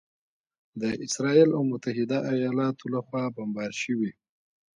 د اسراییل او متحده ایالاتو لخوا بمبار شوي